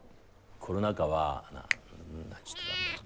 コロナ禍は何してたんだろう。